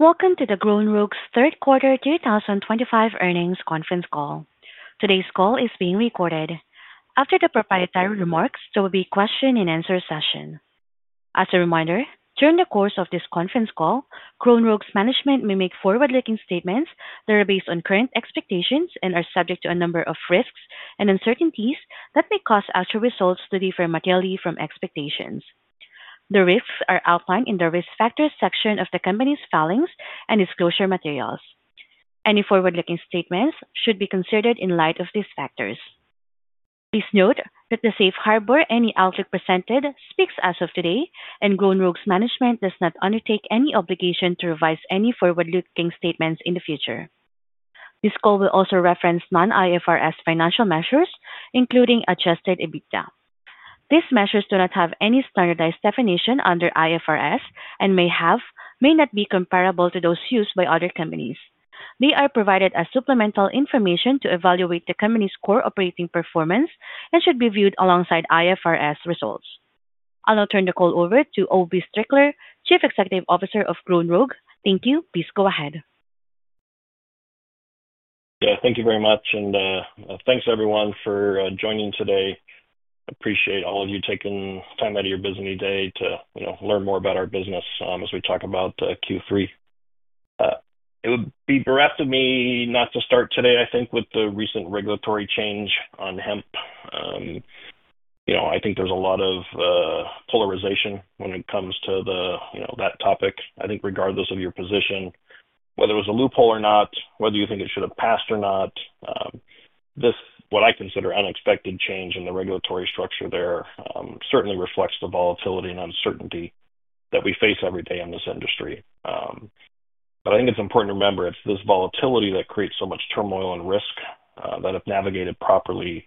Welcome to the Grown Rogue's Third Quarter 2025 Earnings Conference call. Today's call is being recorded. After the proprietary remarks, there will be a question-and-answer session. As a reminder, during the course of this conference call, Grown Rogue's management may make forward-looking statements that are based on current expectations and are subject to a number of risks and uncertainties that may cause outcomes to differ materially from expectations. The risks are outlined in the risk factors section of the company's filings and disclosure materials. Any forward-looking statements should be considered in light of these factors. Please note that the safe harbor any outlook presented speaks as of today, and Grown Rogue's management does not undertake any obligation to revise any forward-looking statements in the future. This call will also reference non-IFRS financial measures, including adjusted EBITDA. These measures do not have any standardized definition under IFRS and may not be comparable to those used by other companies. They are provided as supplemental information to evaluate the company's core operating performance and should be viewed alongside IFRS results. I'll now turn the call over to Obi Strickler, Chief Executive Officer of Grown Rogue. Thank you. Please go ahead. Yeah, thank you very much. Thanks everyone for joining today. I appreciate all of you taking time out of your busy day to learn more about our business as we talk about Q3. It would be bereft of me not to start today, I think, with the recent regulatory change on hemp. I think there's a lot of polarization when it comes to that topic. I think regardless of your position, whether it was a loophole or not, whether you think it should have passed or not, what I consider unexpected change in the regulatory structure there certainly reflects the volatility and uncertainty that we face every day in this industry. I think it's important to remember it's this volatility that creates so much turmoil and risk that, if navigated properly,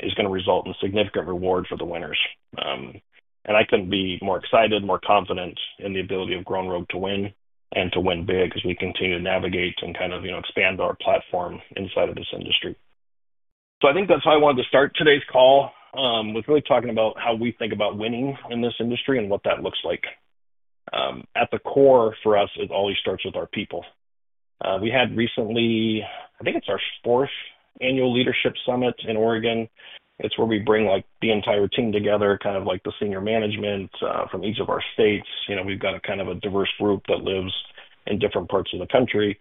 is going to result in significant reward for the winners. I couldn't be more excited, more confident in the ability of Grown Rogue to win and to win big as we continue to navigate and kind of expand our platform inside of this industry. I think that's how I wanted to start today's call, was really talking about how we think about winning in this industry and what that looks like. At the core for us, it always starts with our people. We had recently, I think it's our fourth annual leadership summit in Oregon. It's where we bring the entire team together, kind of like the senior management from each of our states. We've got kind of a diverse group that lives in different parts of the country.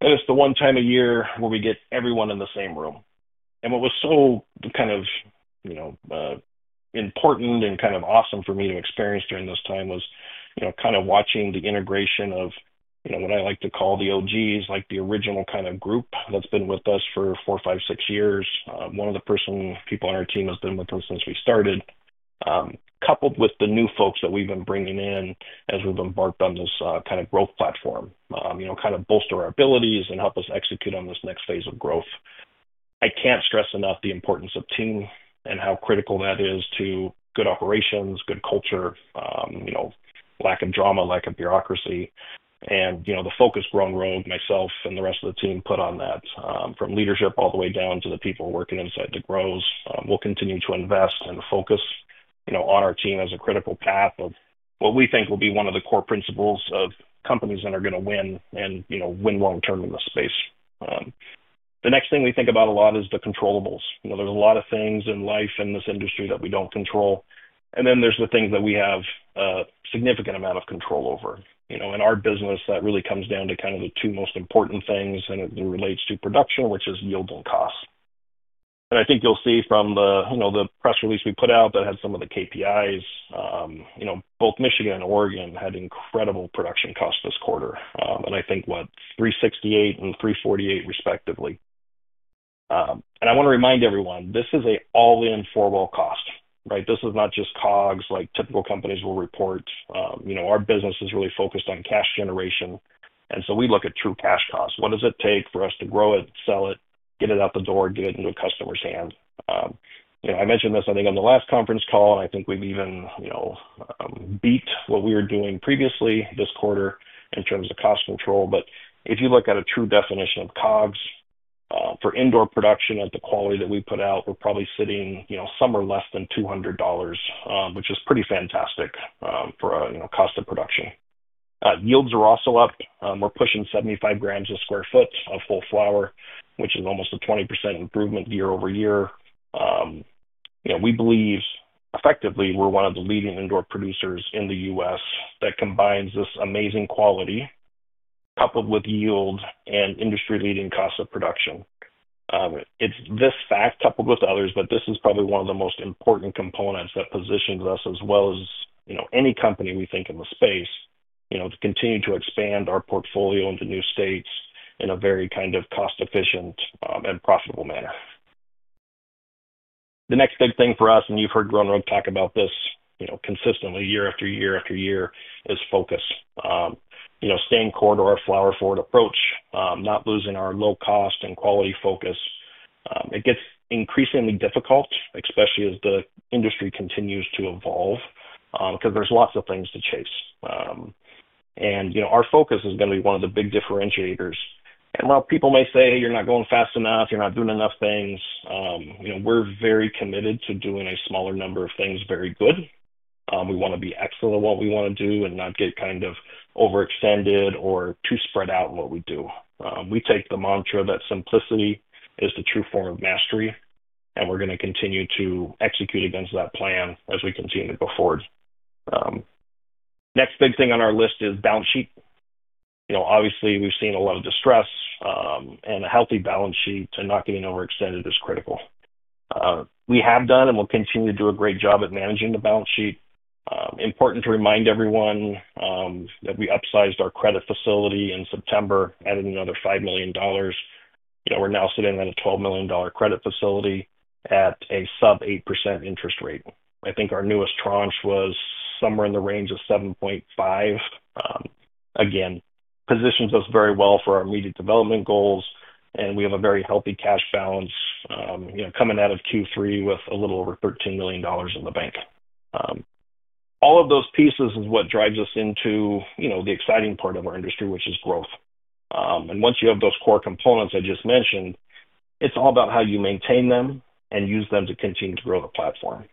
It's the one time a year where we get everyone in the same room. What was so kind of important and kind of awesome for me to experience during this time was kind of watching the integration of what I like to call the OGs, like the original kind of group that's been with us for four, five, six years. One of the people on our team has been with us since we started, coupled with the new folks that we've been bringing in as we've embarked on this kind of growth platform, kind of bolster our abilities and help us execute on this next phase of growth. I can't stress enough the importance of team and how critical that is to good operations, good culture, lack of drama, lack of bureaucracy. The focus Grown Rogue, myself, and the rest of the team put on that from leadership all the way down to the people working inside the grows. We'll continue to invest and focus on our team as a critical path of what we think will be one of the core principles of companies that are going to win and win long-term in this space. The next thing we think about a lot is the controllables. There's a lot of things in life in this industry that we don't control. And then there's the things that we have a significant amount of control over. In our business, that really comes down to kind of the two most important things that relate to production, which is yield and cost. I think you'll see from the press release we put out that had some of the KPIs, both Michigan and Oregon had incredible production costs this quarter. I think, what, $368 and $348, respectively. I want to remind everyone, this is an all-in four-wall cost, right? This is not just COGS like typical companies will report. Our business is really focused on cash generation. And so we look at true cash costs. What does it take for us to grow it, sell it, get it out the door, get it into a customer's hand. I mentioned this, I think, on the last conference call, and I think we've even beat what we were doing previously this quarter in terms of cost control. If you look at a true definition of COGS for indoor production at the quality that we put out, we're probably sitting somewhere less than $200, which is pretty fantastic for a cost of production. Yields are also up. We're pushing 75 grams a sq ft of full flower, which is almost a 20% improvement year-over-year. We believe, effectively, we're one of the leading indoor producers in the U.S. that combines this amazing quality coupled with yield and industry-leading cost of production. It's this fact, coupled with others, but this is probably one of the most important components that positions us, as well as any company we think in the space, to continue to expand our portfolio into new states in a very kind of cost-efficient and profitable manner. The next big thing for us, and you've heard Grown Rogue talk about this consistently year after year after year, is focus. Staying core to our flower forward approach, not losing our low-cost and quality focus. It gets increasingly difficult, especially as the industry continues to evolve, because there's lots of things to chase. Our focus is going to be one of the big differentiators. While people may say, "Hey, you're not going fast enough, you're not doing enough things," we're very committed to doing a smaller number of things very good. We want to be excellent at what we want to do and not get kind of overextended or too spread out in what we do. We take the mantra that simplicity is the true form of mastery, and we're going to continue to execute against that plan as we continue to go forward. The next big thing on our list is balance sheet. Obviously, we've seen a lot of distress, and a healthy balance sheet and not getting overextended is critical. We have done and will continue to do a great job at managing the balance sheet. Important to remind everyone that we upsized our credit facility in September, adding another $5 million. We're now sitting at a $12 million credit facility at a sub-8% interest rate. I think our newest tranche was somewhere in the range of 7.5%. Again, positions us very well for our immediate development goals, and we have a very healthy cash balance coming out of Q3 with a little over $13 million in the bank. All of those pieces is what drives us into the exciting part of our industry, which is growth. Once you have those core components I just mentioned, it's all about how you maintain them and use them to continue to grow the platform.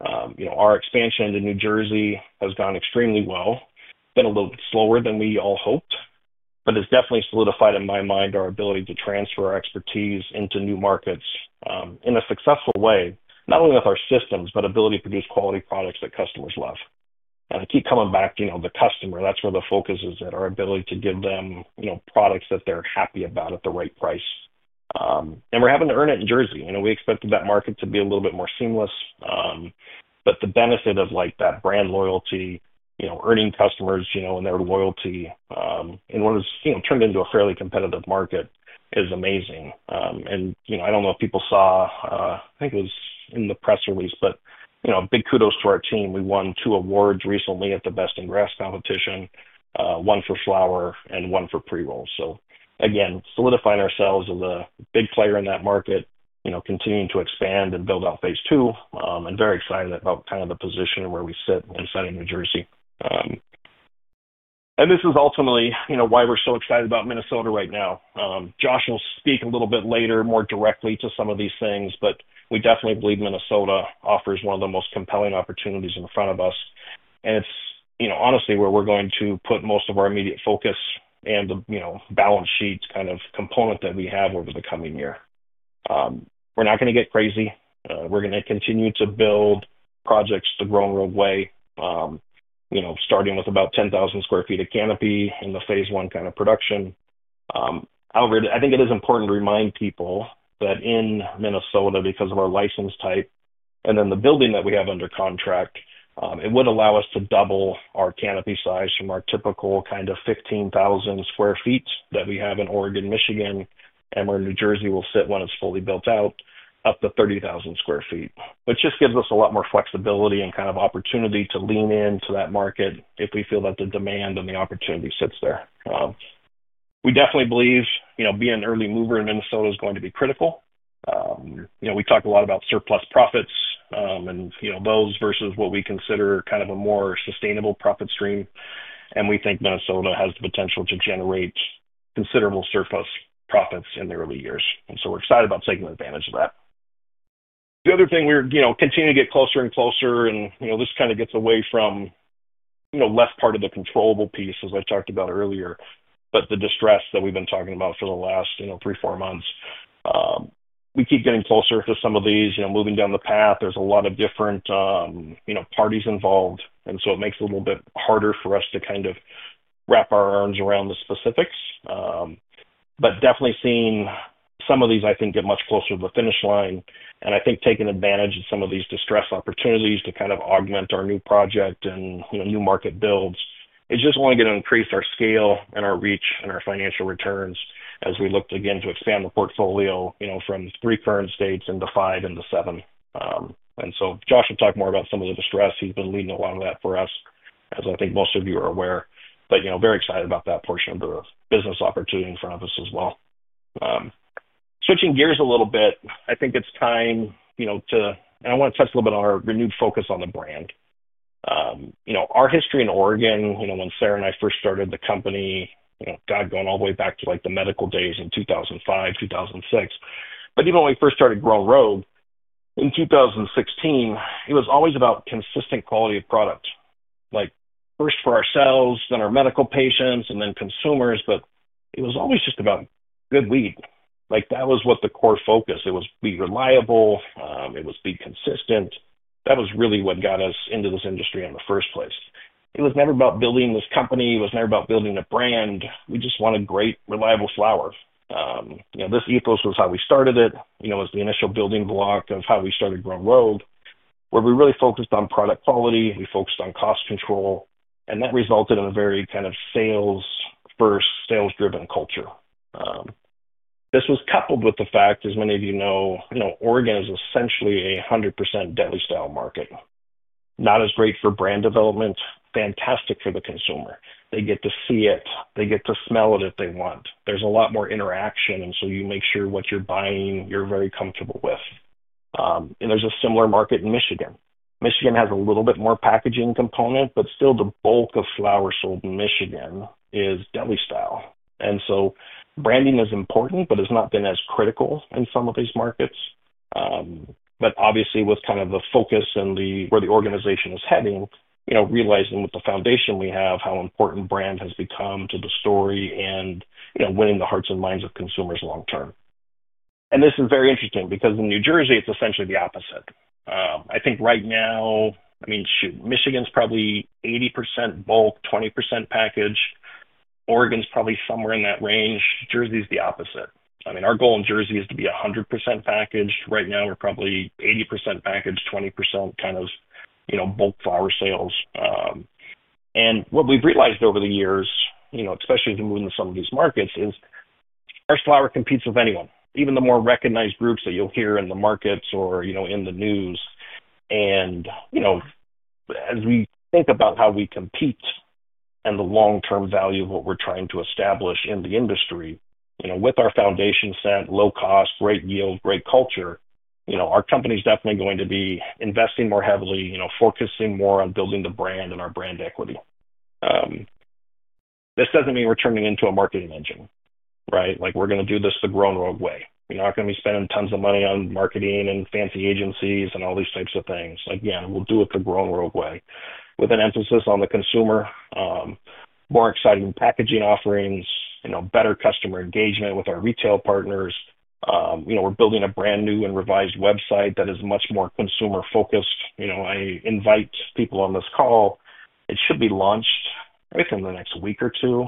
Our expansion into New Jersey has gone extremely well. It's been a little bit slower than we all hoped, but it's definitely solidified in my mind our ability to transfer our expertise into new markets in a successful way, not only with our systems, but ability to produce quality products that customers love. I keep coming back to the customer. That's where the focus is, at our ability to give them products that they're happy about at the right price. We're having to earn it in Jersey. We expected that market to be a little bit more seamless, but the benefit of that brand loyalty, earning customers and their loyalty in what has turned into a fairly competitive market is amazing. I don't know if people saw, I think it was in the press release, but big kudos to our team. We won two awards recently at the Best in Grass competition, one for flower and one for pre-roll. Again, solidifying ourselves as a big player in that market, continuing to expand and build out phase two, and very excited about kind of the position where we sit inside of New Jersey. This is ultimately why we're so excited about Minnesota right now. Josh will speak a little bit later, more directly to some of these things, but we definitely believe Minnesota offers one of the most compelling opportunities in front of us. It's honestly where we're going to put most of our immediate focus and the balance sheet kind of component that we have over the coming year. We're not going to get crazy. We're going to continue to build projects the Grown Rogue way, starting with about 10,000 sq ft of canopy in the phase one kind of production. However, I think it is important to remind people that in Minnesota, because of our license type and then the building that we have under contract, it would allow us to double our canopy size from our typical kind of 15,000 sq ft that we have in Oregon, Michigan, and where New Jersey will sit when it's fully built out, up to 30,000 sq ft. Which just gives us a lot more flexibility and kind of opportunity to lean into that market if we feel that the demand and the opportunity sits there. We definitely believe being an early mover in Minnesota is going to be critical. We talk a lot about surplus profits and those versus what we consider kind of a more sustainable profit stream. We think Minnesota has the potential to generate considerable surplus profits in the early years. We are excited about taking advantage of that. The other thing, we are continuing to get closer and closer, and this kind of gets away from the left part of the controllable piece, as I talked about earlier, but the distress that we have been talking about for the last three, four months. We keep getting closer to some of these. Moving down the path, there are a lot of different parties involved. It makes it a little bit harder for us to kind of wrap our arms around the specifics. Definitely seeing some of these, I think, get much closer to the finish line. I think taking advantage of some of these distress opportunities to kind of augment our new project and new market builds is just only going to increase our scale and our reach and our financial returns as we look again to expand the portfolio from three current states into five into seven. Josh will talk more about some of the distress. He's been leading a lot of that for us, as I think most of you are aware. Very excited about that portion of the business opportunity in front of us as well. Switching gears a little bit, I think it's time to, and I want to touch a little bit on our renewed focus on the brand. Our history in Oregon, when Sarah and I first started the company, God, going all the way back to the medical days in 2005, 2006. Even when we first started Grown Rogue, in 2016, it was always about consistent quality of product. First for ourselves, then our medical patients, and then consumers, but it was always just about good weed. That was the core focus. It was be reliable. It was be consistent. That was really what got us into this industry in the first place. It was never about building this company. It was never about building a brand. We just wanted great, reliable flowers. This ethos was how we started it. It was the initial building block of how we started Grown Rogue, where we really focused on product quality. We focused on cost control. That resulted in a very kind of sales-first, sales-driven culture. This was coupled with the fact, as many of you know, Oregon is essentially a 100% deli-style market. Not as great for brand development, fantastic for the consumer. They get to see it. They get to smell it if they want. There's a lot more interaction. You make sure what you're buying, you're very comfortable with. There's a similar market in Michigan. Michigan has a little bit more packaging component, but still the bulk of flower sold in Michigan is deli-style. Branding is important, but it's not been as critical in some of these markets. Obviously, with kind of the focus and where the organization is heading, realizing with the foundation we have, how important brand has become to the story and winning the hearts and minds of consumers long-term. This is very interesting because in New Jersey, it's essentially the opposite. I think right now, I mean, shoot, Michigan's probably 80% bulk, 20% package. Oregon's probably somewhere in that range. Jersey's the opposite. I mean, our goal in Jersey is to be 100% package. Right now, we're probably 80% package, 20% kind of bulk flower sales. What we've realized over the years, especially as we move into some of these markets, is our flower competes with anyone, even the more recognized groups that you'll hear in the markets or in the news. As we think about how we compete and the long-term value of what we're trying to establish in the industry, with our foundation set, low cost, great yield, great culture, our company's definitely going to be investing more heavily, focusing more on building the brand and our brand equity. This doesn't mean we're turning into a marketing engine, right? We're going to do this the Grown Rogue way. We're not going to be spending tons of money on marketing and fancy agencies and all these types of things. Again, we'll do it the Grown Rogue way, with an emphasis on the consumer, more exciting packaging offerings, better customer engagement with our retail partners. We're building a brand new and revised website that is much more consumer-focused. I invite people on this call. It should be launched within the next week or two,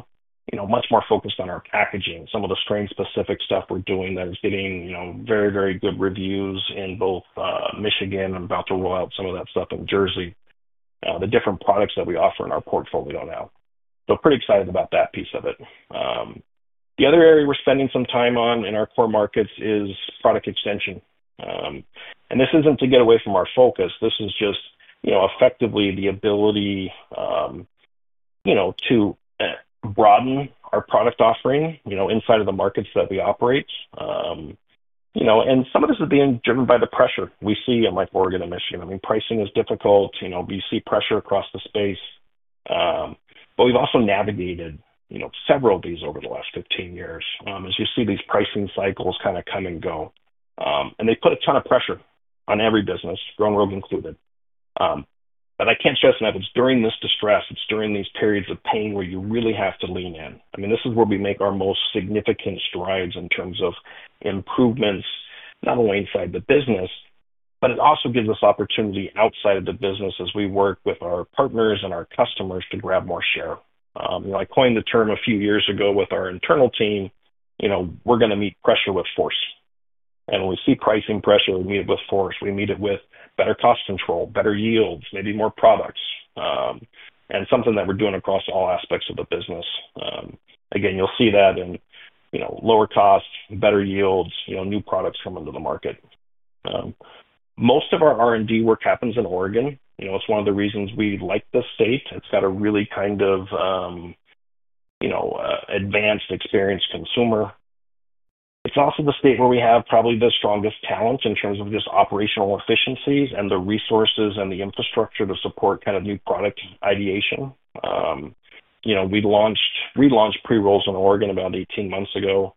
much more focused on our packaging, some of the strain-specific stuff we're doing that is getting very, very good reviews in both Michigan and about to roll out some of that stuff in Jersey, the different products that we offer in our portfolio now. Pretty excited about that piece of it. The other area we're spending some time on in our core markets is product extension. This isn't to get away from our focus. This is just effectively the ability to broaden our product offering inside of the markets that we operate. Some of this is being driven by the pressure we see in Oregon and Michigan. I mean, pricing is difficult. You see pressure across the space. We have also navigated several of these over the last 15 years, as you see these pricing cycles kind of come and go. They put a ton of pressure on every business, Grown Rogue included. I cannot stress enough, it is during this distress, it is during these periods of pain where you really have to lean in. I mean, this is where we make our most significant strides in terms of improvements, not only inside the business, but it also gives us opportunity outside of the business as we work with our partners and our customers to grab more share. I coined the term a few years ago with our internal team, we're going to meet pressure with force. When we see pricing pressure, we meet it with force. We meet it with better cost control, better yields, maybe more products. That is something that we're doing across all aspects of the business. Again, you'll see that in lower costs, better yields, new products coming to the market. Most of our R&D work happens in Oregon. It's one of the reasons we like the state. It's got a really kind of advanced, experienced consumer. It's also the state where we have probably the strongest talent in terms of just operational efficiencies and the resources and the infrastructure to support kind of new product ideation. We launched pre-rolls in Oregon about 18 months ago.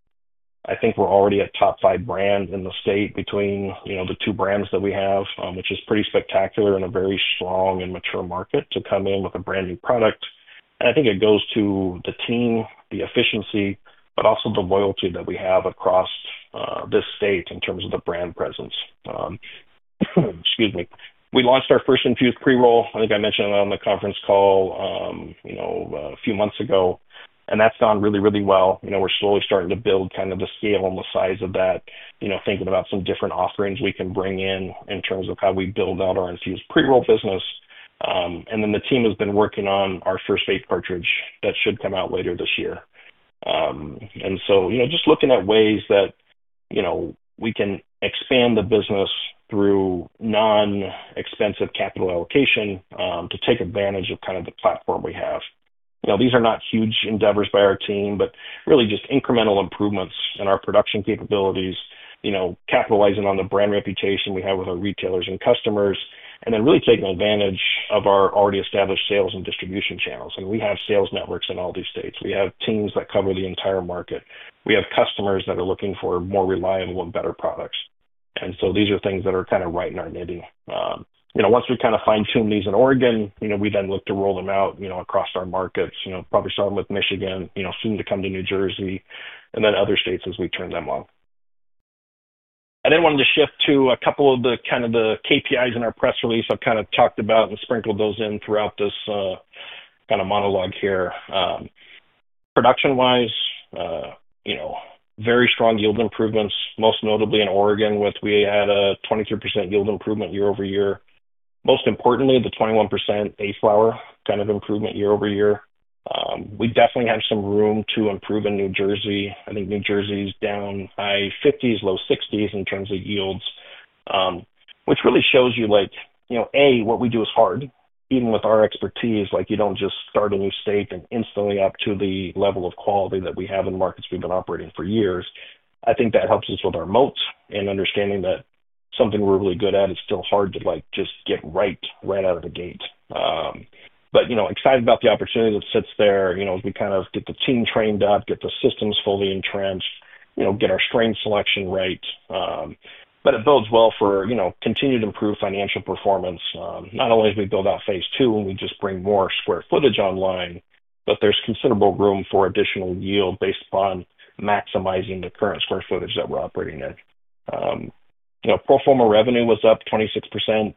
I think we're already a top five brand in the state between the two brands that we have, which is pretty spectacular in a very strong and mature market to come in with a brand new product. I think it goes to the team, the efficiency, but also the loyalty that we have across this state in terms of the brand presence. Excuse me. We launched our first infused pre-roll. I think I mentioned it on the conference call a few months ago. That's gone really, really well. We're slowly starting to build kind of the scale and the size of that, thinking about some different offerings we can bring in in terms of how we build out our infused pre-roll business. The team has been working on our first vape cartridge that should come out later this year. Just looking at ways that we can expand the business through non-expensive capital allocation to take advantage of kind of the platform we have. These are not huge endeavors by our team, but really just incremental improvements in our production capabilities, capitalizing on the brand reputation we have with our retailers and customers, and then really taking advantage of our already established sales and distribution channels. We have sales networks in all these states. We have teams that cover the entire market. We have customers that are looking for more reliable and better products. These are things that are kind of right in our nitty. Once we kind of fine-tune these in Oregon, we then look to roll them out across our markets, probably starting with Michigan, soon to come to New Jersey, and then other states as we turn them on. I did want to shift to a couple of the kind of the KPIs in our press release. I have kind of talked about and sprinkled those in throughout this kind of monologue here. Production-wise, very strong yield improvements, most notably in Oregon, with we had a 23% yield improvement year over year. Most importantly, the 21% A flower kind of improvement year over year. We definitely have some room to improve in New Jersey. I think New Jersey's down high 50s-low 60s in terms of yields, which really shows you, A, what we do is hard. Even with our expertise, you do not just start a new state and instantly up to the level of quality that we have in markets we have been operating for years. I think that helps us with our moats and understanding that something we're really good at is still hard to just get right, right out of the gate. Excited about the opportunity that sits there as we kind of get the team trained up, get the systems fully entrenched, get our strain selection right. It builds well for continued improved financial performance. Not only do we build out phase two and we just bring more square footage online, but there's considerable room for additional yield based upon maximizing the current square footage that we're operating in. Proforma revenue was up 26%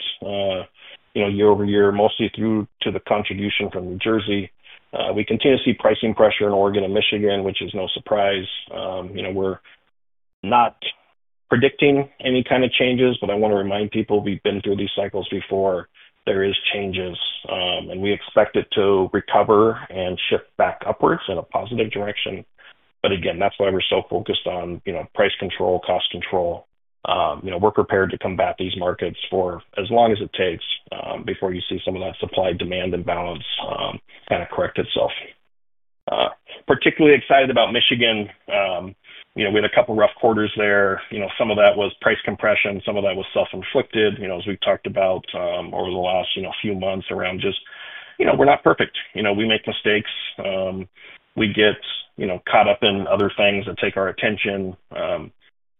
year over year, mostly through to the contribution from New Jersey. We continue to see pricing pressure in Oregon and Michigan, which is no surprise. We're not predicting any kind of changes, but I want to remind people we've been through these cycles before. There are changes, and we expect it to recover and shift back upwards in a positive direction. Again, that's why we're so focused on price control, cost control. We're prepared to combat these markets for as long as it takes before you see some of that supply-demand imbalance kind of correct itself. Particularly excited about Michigan. We had a couple of rough quarters there. Some of that was price compression. Some of that was self-inflicted, as we've talked about over the last few months around just we're not perfect. We make mistakes. We get caught up in other things that take our attention.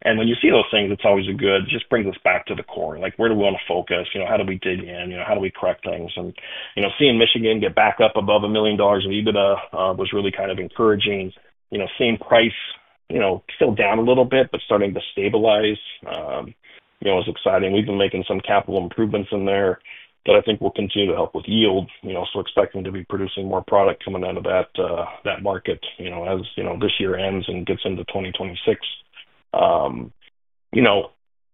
When you see those things, it always just brings us back to the core. Where do we want to focus? How do we dig in? How do we correct things? Seeing Michigan get back up above a million dollars in EBITDA was really kind of encouraging. Seeing price still down a little bit, but starting to stabilize was exciting. We've been making some capital improvements in there, but I think we'll continue to help with yield. Expecting to be producing more product coming out of that market as this year ends and gets into 2026.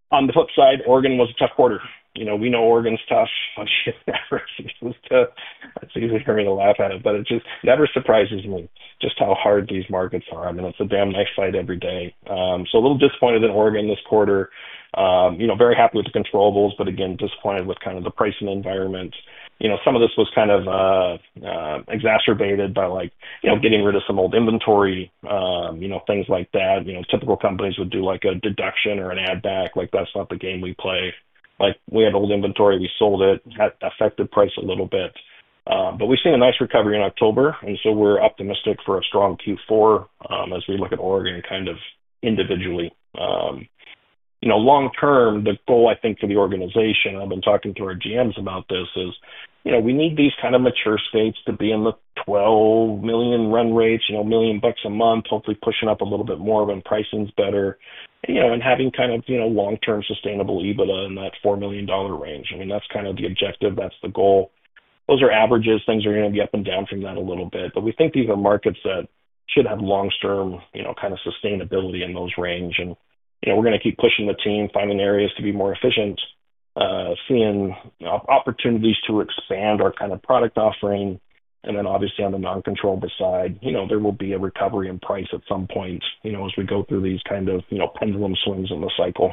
On the flip side, Oregon was a tough quarter. We know Oregon's tough. That's easy for me to laugh at it, but it just never surprises me just how hard these markets are. I mean, it's a damn nice fight every day. A little disappointed in Oregon this quarter. Very happy with the controllables. Again, disappointed with kind of the pricing environment. Some of this was kind of exacerbated by getting rid of some old inventory, things like that. Typical companies would do a deduction or an add-back. That's not the game we play. We had old inventory. We sold it. It affected price a little bit. We've seen a nice recovery in October. We are optimistic for a strong Q4 as we look at Oregon kind of individually. Long-term, the goal, I think, for the organization, and I've been talking to our GMs about this, is we need these kind of mature states to be in the $12 million run rates, $1 million a month, hopefully pushing up a little bit more when pricing's better, and having kind of long-term sustainable EBITDA in that $4 million range. I mean, that's kind of the objective. That's the goal. Those are averages. Things are going to be up and down from that a little bit. We think these are markets that should have long-term kind of sustainability in those range. We are going to keep pushing the team, finding areas to be more efficient, seeing opportunities to expand our kind of product offering. Obviously, on the non-controllable side, there will be a recovery in price at some point as we go through these kind of pendulum swings in the cycle.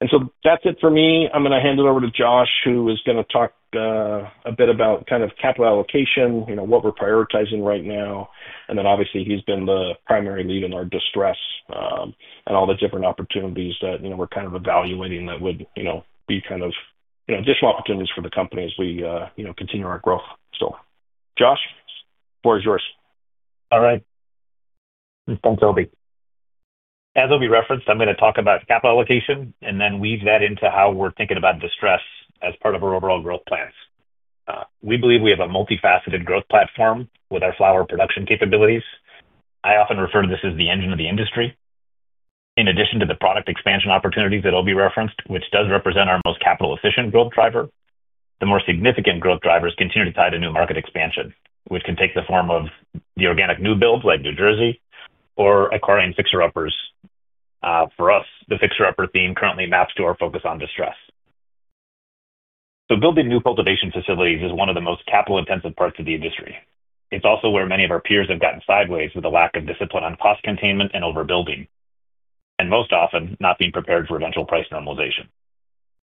That is it for me. I am going to hand it over to Josh, who is going to talk a bit about kind of capital allocation, what we are prioritizing right now. Obviously, he has been the primary lead in our distress and all the different opportunities that we are kind of evaluating that would be kind of additional opportunities for the company as we continue our growth. Josh, the floor is yours. All right. Thanks, Obie. As Obie referenced, I'm going to talk about capital allocation, and then weave that into how we're thinking about distress as part of our overall growth plans. We believe we have a multifaceted growth platform with our flower production capabilities. I often refer to this as the engine of the industry. In addition to the product expansion opportunities that Obie referenced, which does represent our most capital-efficient growth driver, the more significant growth drivers continue to tie to new market expansion, which can take the form of the organic new builds like New Jersey or acquiring fixer-uppers. For us, the fixer-upper theme currently maps to our focus on distress. Building new cultivation facilities is one of the most capital-intensive parts of the industry. It's also where many of our peers have gotten sideways with a lack of discipline on cost containment and overbuilding, and most often not being prepared for eventual price normalization.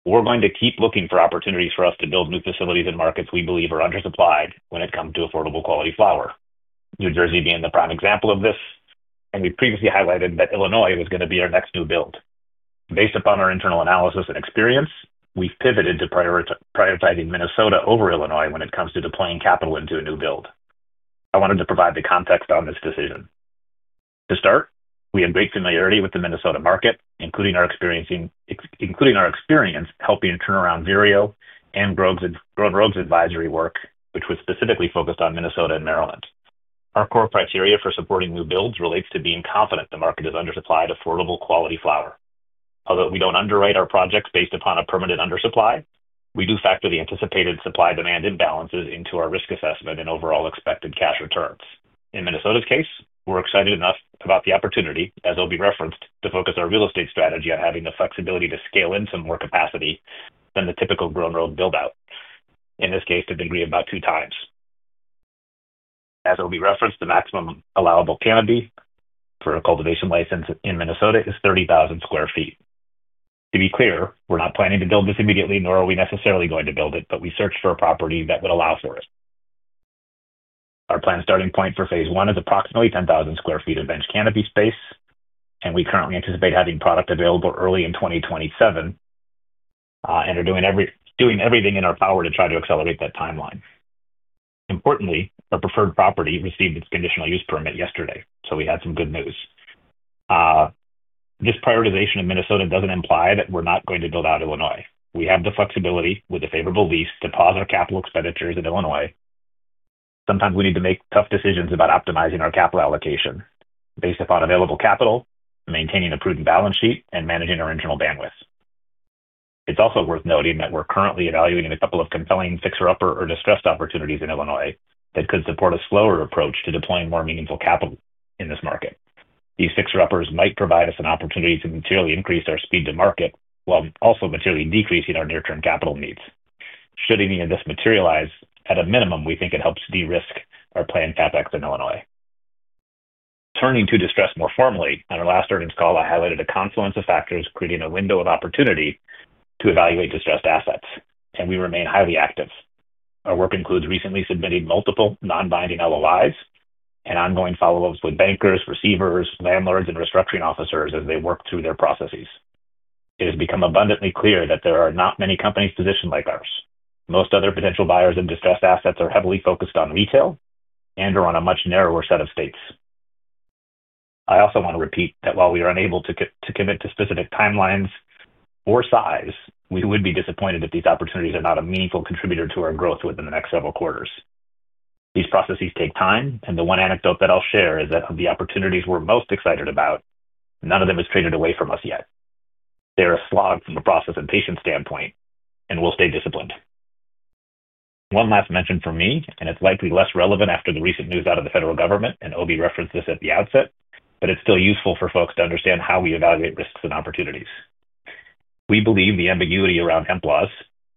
We're going to keep looking for opportunities for us to build new facilities in markets we believe are undersupplied when it comes to affordable quality flower, New Jersey being the prime example of this. We previously highlighted that Illinois was going to be our next new build. Based upon our internal analysis and experience, we've pivoted to prioritizing Minnesota over Illinois when it comes to deploying capital into a new build. I wanted to provide the context on this decision. To start, we have great familiarity with the Minnesota market, including our experience helping turn around Vireo and Grown Rogue's advisory work, which was specifically focused on Minnesota and Maryland. Our core criteria for supporting new builds relates to being confident the market is undersupplied affordable quality flower. Although we do not underwrite our projects based upon a permanent undersupply, we do factor the anticipated supply-demand imbalances into our risk assessment and overall expected cash returns. In Minnesota's case, we are excited enough about the opportunity, as Obie referenced, to focus our real estate strategy on having the flexibility to scale in some more capacity than the typical Grown Rogue buildout, in this case, to the degree of about two times. As Obie referenced, the maximum allowable canopy for a cultivation license in Minnesota is 30,000 sq ft. To be clear, we are not planning to build this immediately, nor are we necessarily going to build it, but we searched for a property that would allow for it. Our planned starting point for phase one is approximately 10,000 sq ft of bench canopy space, and we currently anticipate having product available early in 2027 and are doing everything in our power to try to accelerate that timeline. Importantly, our preferred property received its conditional use permit yesterday, so we had some good news. This prioritization in Minnesota does not imply that we are not going to build out Illinois. We have the flexibility with a favorable lease to pause our CapEx in Illinois. Sometimes we need to make tough decisions about optimizing our capital allocation based upon available capital, maintaining a prudent balance sheet, and managing our internal bandwidth. It is also worth noting that we are currently evaluating a couple of compelling fixer-upper or distressed opportunities in Illinois that could support a slower approach to deploying more meaningful capital in this market. These fixer-uppers might provide us an opportunity to materially increase our speed to market while also materially decreasing our near-term capital needs. Should any of this materialize, at a minimum, we think it helps de-risk our planned CapEx in Illinois. Turning to distress more formally, on our last earnings call, I highlighted a confluence of factors creating a window of opportunity to evaluate distressed assets, and we remain highly active. Our work includes recently submitting multiple non-binding LOIs and ongoing follow-ups with bankers, receivers, landlords, and restructuring officers as they work through their processes. It has become abundantly clear that there are not many companies positioned like ours. Most other potential buyers in distressed assets are heavily focused on retail and/or on a much narrower set of states. I also want to repeat that while we are unable to commit to specific timelines or size, we would be disappointed if these opportunities are not a meaningful contributor to our growth within the next several quarters. These processes take time, and the one anecdote that I'll share is that of the opportunities we're most excited about, none of them has traded away from us yet. They are a slog from a process and patience standpoint, and we'll stay disciplined. One last mention for me, and it's likely less relevant after the recent news out of the federal government, and Obie referenced this at the outset, but it's still useful for folks to understand how we evaluate risks and opportunities. We believe the ambiguity around hemp laws,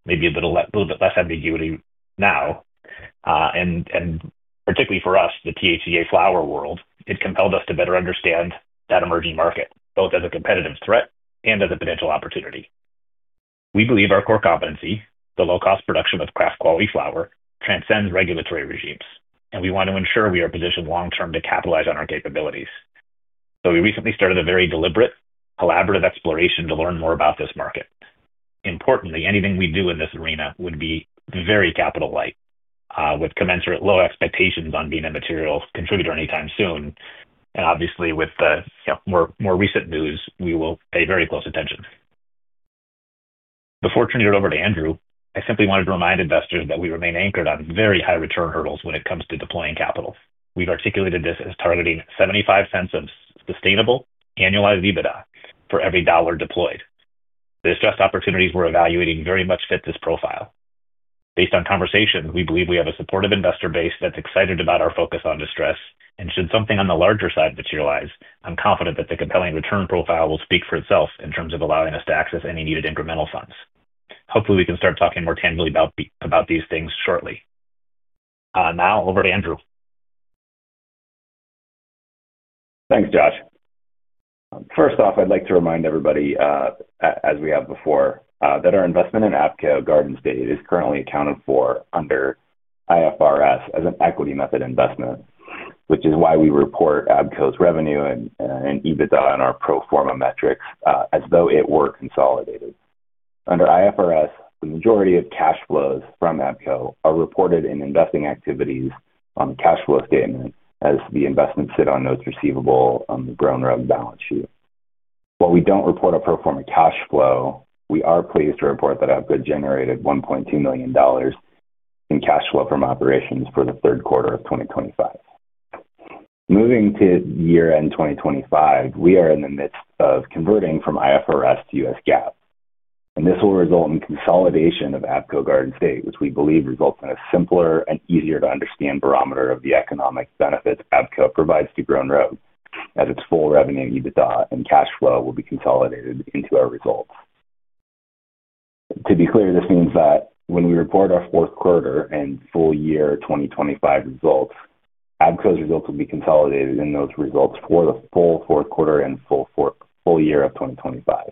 maybe a little bit less ambiguity now, and particularly for us, the THC flower world, it compelled us to better understand that emerging market, both as a competitive threat and as a potential opportunity. We believe our core competency, the low-cost production of craft-quality flower, transcends regulatory regimes, and we want to ensure we are positioned long-term to capitalize on our capabilities. We recently started a very deliberate, collaborative exploration to learn more about this market. Importantly, anything we do in this arena would be very capital-light, with commensurate low expectations on being a material contributor anytime soon. Obviously, with the more recent news, we will pay very close attention. Before turning it over to Andrew, I simply wanted to remind investors that we remain anchored on very high return hurdles when it comes to deploying capital. We've articulated this as targeting $0.75 of sustainable annualized EBITDA for every dollar deployed. The distressed opportunities we're evaluating very much fit this profile. Based on conversations, we believe we have a supportive investor base that's excited about our focus on distress. Should something on the larger side materialize, I'm confident that the compelling return profile will speak for itself in terms of allowing us to access any needed incremental funds. Hopefully, we can start talking more tangibly about these things shortly. Now, over to Andrew. Thanks, Josh. First off, I'd like to remind everybody, as we have before, that our investment in ABCO Garden State is currently accounted for under IFRS as an equity method investment, which is why we report Abco's revenue and EBITDA in our proforma metrics as though it were consolidated. Under IFRS, the majority of cash flows from ABCO are reported in investing activities on the cash flow statement as the investment sits on notes receivable on the Grown Rogue balance sheet. While we do not report a proforma cash flow, we are pleased to report that ABCO generated $1.2 million in cash flow from operations for the third quarter of 2025. Moving to year-end 2025, we are in the midst of converting from IFRS to US GAAP. This will result in consolidation of ABCO Garden State, which we believe results in a simpler and easier-to-understand barometer of the economic benefits ABCO provides to Grown Rogue, as its full revenue, EBITDA, and cash flow will be consolidated into our results. To be clear, this means that when we report our fourth quarter and full year 2025 results, ABCO's results will be consolidated in those results for the full fourth quarter and full year of 2025.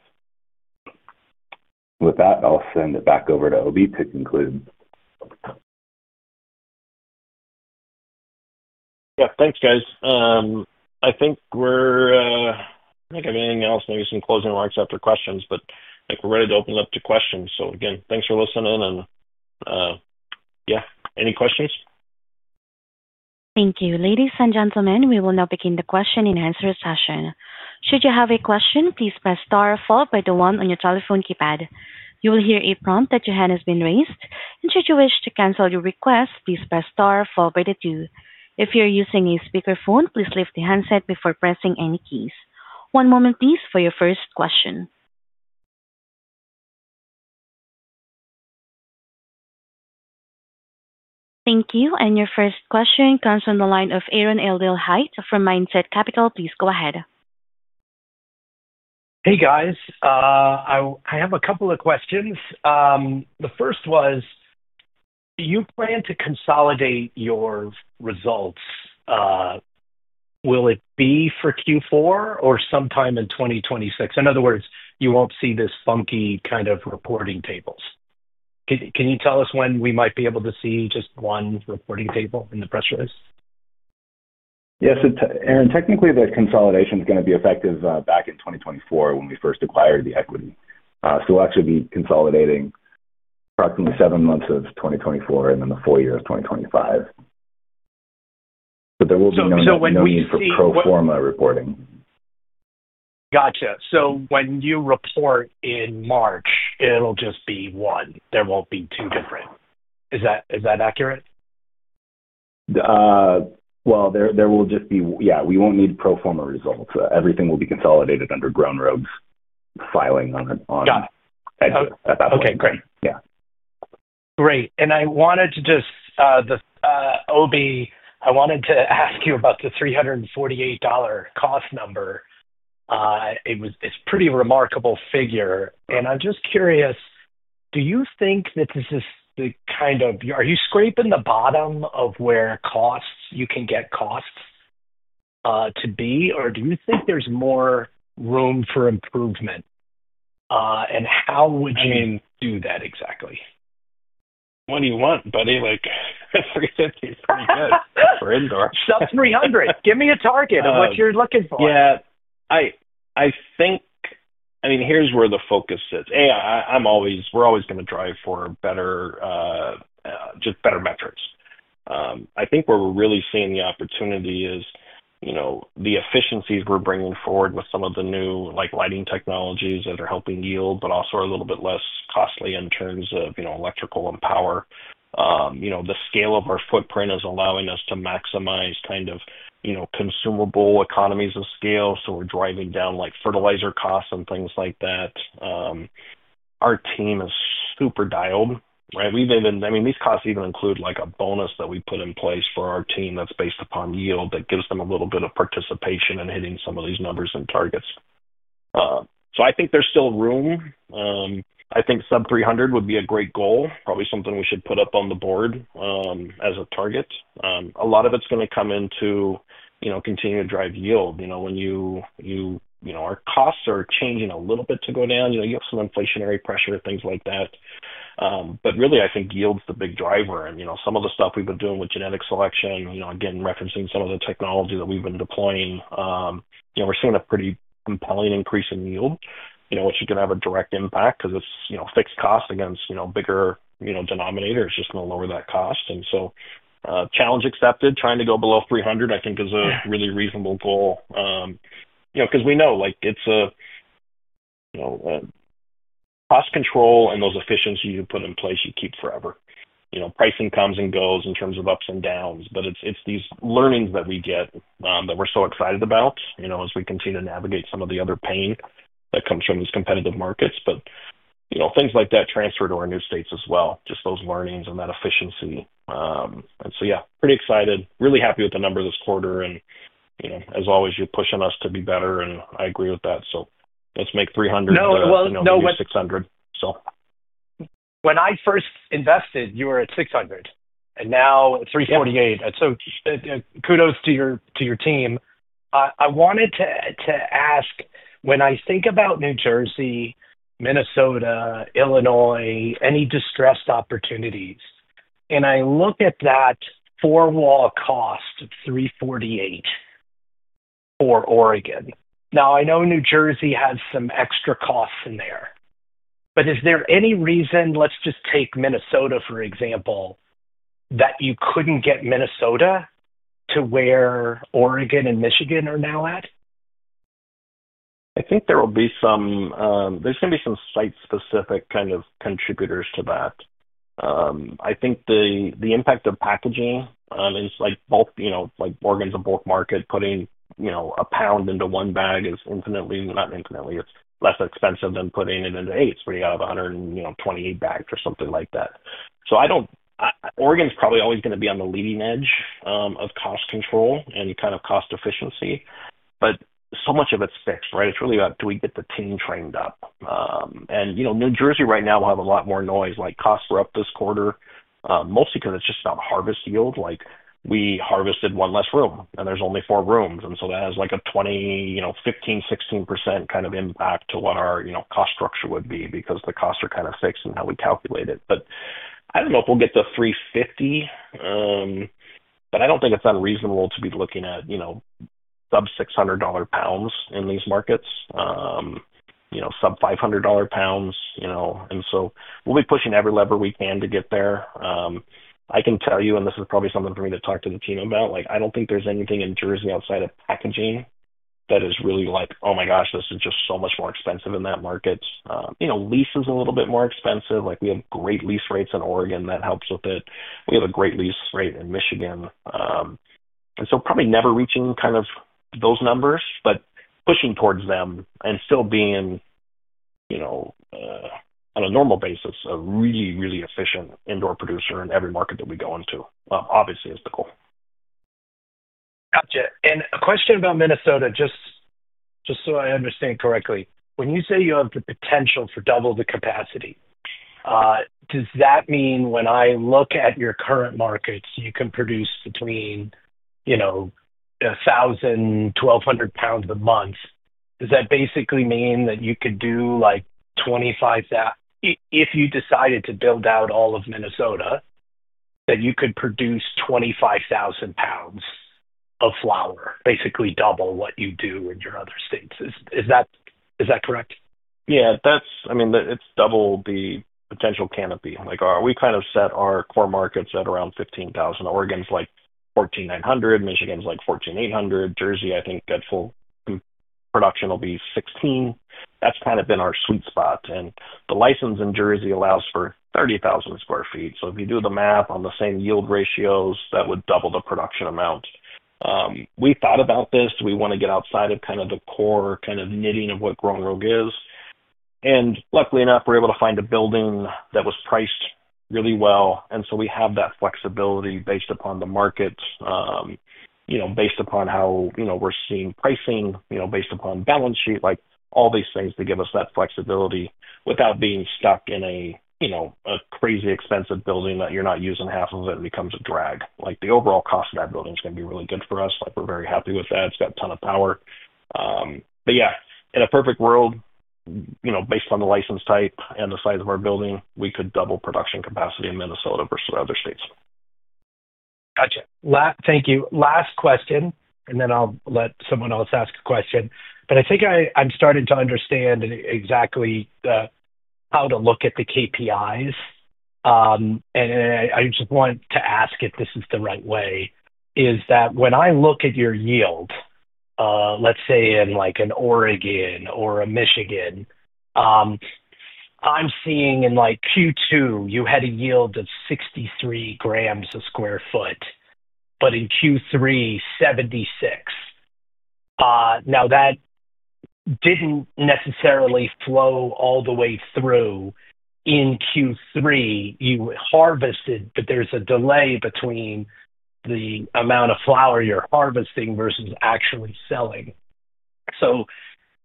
With that, I'll send it back over to Obie to conclude. Yeah, thanks, guys. I think we're—I think everything else, maybe some closing remarks after questions, but I think we're ready to open it up to questions. Again, thanks for listening. Yeah, any questions? Thank you. Ladies and gentlemen, we will now begin the question and answer session. Should you have a question, please press star followed by the one on your telephone keypad. You will hear a prompt that your hand has been raised. Should you wish to cancel your request, please press star followed by the two. If you're using a speakerphone, please lift the handset before pressing any keys. One moment, please, for your first question. Thank you. Your first question comes from the line of Aaron Edelheit from Mindset Capital. Please go ahead. Hey, guys. I have a couple of questions. The first was, do you plan to consolidate your results? Will it be for Q4 or sometime in 2026? In other words, you will not see this funky kind of reporting tables. Can you tell us when we might be able to see just one reporting table in the press release? Yes. Aaron, technically, the consolidation is going to be effective back in 2024 when we first acquired the equity. We will actually be consolidating approximately seven months of 2024 and then the full year of 2025. There will be no need for proforma reporting. Gotcha. When you report in March, it will just be one. There will not be two different. Is that accurate? Yeah, we won't need proforma results. Everything will be consolidated under Grown Rogue's filing on that level. Okay. Great. Yeah. Great. I wanted to just—Obie, I wanted to ask you about the $348 cost number. It's a pretty remarkable figure. I'm just curious, do you think that this is the kind of—are you scraping the bottom of where you can get costs to be, or do you think there's more room for improvement? How would you do that exactly? What do you want buddy? $350 is pretty good for indoors. Sub-$300. Give me a target of what you're looking for. Yeah. I mean, here's where the focus sits. We're always going to drive for just better metrics. I think where we're really seeing the opportunity is the efficiencies we're bringing forward with some of the new lighting technologies that are helping yield, but also are a little bit less costly in terms of electrical and power. The scale of our footprint is allowing us to maximize kind of consumable economies of scale, so we're driving down fertilizer costs and things like that. Our team is super dialed, right? I mean, these costs even include a bonus that we put in place for our team that's based upon yield that gives them a little bit of participation in hitting some of these numbers and targets. I think there's still room. I think sub-$300 would be a great goal, probably something we should put up on the board as a target. A lot of it's going to come into continuing to drive yield. Our costs are changing a little bit to go down. You have some inflationary pressure, things like that. Really, I think yield's the big driver. Some of the stuff we've been doing with genetic selection, again, referencing some of the technology that we've been deploying, we're seeing a pretty compelling increase in yield, which is going to have a direct impact because it's fixed cost against bigger denominators. It's just going to lower that cost. Challenge accepted, trying to go below $300, I think, is a really reasonable goal. We know it's a cost control and those efficiencies you put in place, you keep forever. Pricing comes and goes in terms of ups and downs, but it's these learnings that we get that we're so excited about as we continue to navigate some of the other pain that comes from these competitive markets. Things like that transfer to our new states as well, just those learnings and that efficiency. Yeah, pretty excited, really happy with the number this quarter. As always, you're pushing us to be better, and I agree with that. Let's make $300 and let's make $600. When I first invested, you were at $600, and now $348. Kudos to your team. I wanted to ask, when I think about New Jersey, Minnesota, Illinois, any distressed opportunities, and I look at that four-wall cost of $348 for Oregon. I know New Jersey has some extra costs in there, but is there any reason—let's just take Minnesota, for example—that you couldn't get Minnesota to where Oregon and Michigan are now at? I think there will be some—there's going to be some site-specific kind of contributors to that. I think the impact of packaging is like Oregon's a bulk market. Putting a pound into one bag is infinitely—not infinitely, it's less expensive than putting it into eight. It's pretty out of 128 bags or something like that. Oregon's probably always going to be on the leading edge of cost control and kind of cost efficiency, but so much of it's fixed, right? It's really about do we get the team trained up? New Jersey right now will have a lot more noise. Costs were up this quarter, mostly because it's just about harvest yield. We harvested one less room, and there's only four rooms. That has like a 15%-16% kind of impact to what our cost structure would be because the costs are kind of fixed and how we calculate it. I do not know if we will get to $350, but I do not think it is unreasonable to be looking at sub-$600 pounds in these markets, sub-$500 pounds. We will be pushing every lever we can to get there. I can tell you, and this is probably something for me to talk to the team about, I do not think there is anything in Jersey outside of packaging that is really like, "Oh my gosh, this is just so much more expensive in that market." Lease is a little bit more expensive. We have great lease rates in Oregon that helps with it. We have a great lease rate in Michigan. Probably never reaching kind of those numbers, but pushing towards them and still being, on a normal basis, a really, really efficient indoor producer in every market that we go into, obviously, is the goal. Gotcha. A question about Minnesota, just so I understand correctly. When you say you have the potential for double the capacity, does that mean when I look at your current markets, you can produce between 1,000 lbs-1,200 lbs a month? Does that basically mean that you could do like 25,000 lbs if you decided to build out all of Minnesota, that you could produce 25,000 lbs of flower, basically double what you do in your other states? Is that correct? Yeah. I mean, it's double the potential canopy. We kind of set our core markets at around 15,000 lbs. Oregon's like 14,900 lbs, Michigan's like 14,800 lbs. Jersey, I think, at full production will be 16, 000 lbs. That's kind of been our sweet spot. The license in Jersey allows for 30,000 sq ft. If you do the math on the same yield ratios, that would double the production amount. We thought about this. We want to get outside of kind of the core kind of knitting of what Grown Rogue is. Luckily enough, we're able to find a building that was priced really well. We have that flexibility based upon the markets, based upon how we're seeing pricing, based upon balance sheet, all these things to give us that flexibility without being stuck in a crazy expensive building that you're not using half of and becomes a drag. The overall cost of that building is going to be really good for us. We're very happy with that. It's got a ton of power. Yeah, in a perfect world, based on the license type and the size of our building, we could double production capacity in Minnesota versus other states. Gotcha. Thank you. Last question, and then I'll let someone else ask a question. I think I'm starting to understand exactly how to look at the KPIs. I just want to ask if this is the right way, is that when I look at your yield, let's say in Oregon or Michigan, I'm seeing in Q2, you had a yield of 63 grams a sq ft, but in Q3, 76 grams. That didn't necessarily flow all the way through. In Q3, you harvested, but there's a delay between the amount of flower you're harvesting versus actually selling. Is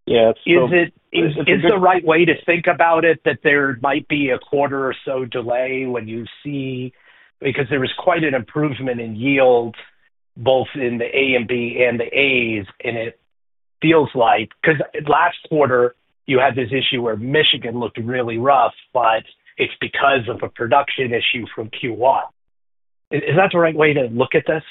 it the right way to think about it that there might be a quarter or so delay when you see—because there was quite an improvement in yield, both in the A and B and the As, and it feels like—because last quarter, you had this issue where Michigan looked really rough, but it's because of a production issue from Q1. Is that the right way to look at this?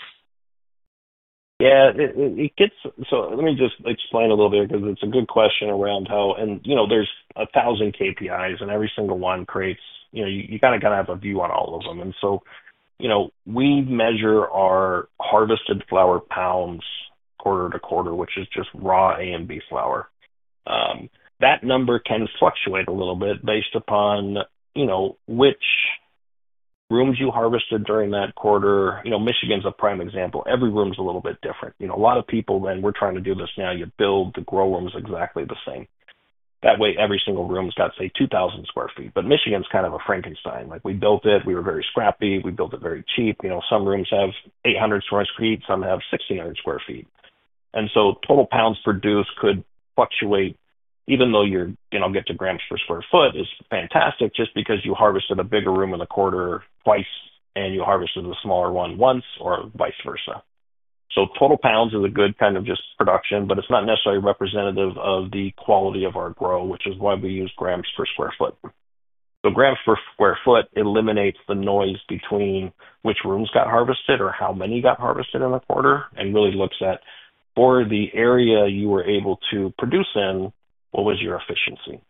Yeah. Let me just explain a little bit because it's a good question around how—there's 1,000 KPIs, and every single one creates—you kind of got to have a view on all of them. We measure our harvested flower pounds quarter to quarter, which is just raw A and B flower. That number can fluctuate a little bit based upon which rooms you harvested during that quarter. Michigan's a prime example. Every room's a little bit different. A lot of people, when we're trying to do this now, you build the grow rooms exactly the same. That way, every single room's got, say, 2,000 sq ft. Michigan's kind of a Frankenstein. We built it. We were very scrappy. We built it very cheap. Some rooms have 800 sq ft. Some have 1,600 sq ft. Total pounds produced could fluctuate, even though you get to grams per square foot, is fantastic just because you harvested a bigger room in the quarter twice and you harvested the smaller one once or vice versa. Total pounds is a good kind of just production, but it's not necessarily representative of the quality of our grow, which is why we use grams per square foot. Grams per square foot eliminates the noise between which rooms got harvested or how many got harvested in the quarter and really looks at, for the area you were able to produce in, what was your efficiency?